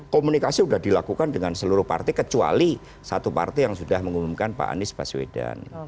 komunikasi sudah dilakukan dengan seluruh partai kecuali satu partai yang sudah mengumumkan pak anies baswedan